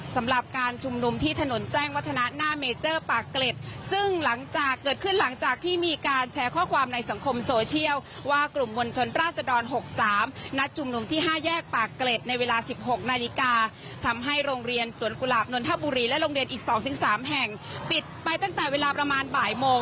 สำหรับการชุมนุมที่ถนนแจ้งวัฒนะหน้าเมเจอร์ปากเกร็ดซึ่งหลังจากเกิดขึ้นหลังจากที่มีการแชร์ข้อความในสังคมโซเชียลว่ากลุ่มมวลชนราศดร๖๓นัดชุมนุมที่๕แยกปากเกร็ดในเวลา๑๖นาฬิกาทำให้โรงเรียนสวนกุหลาบนนทบุรีและโรงเรียนอีก๒๓แห่งปิดไปตั้งแต่เวลาประมาณบ่ายโมง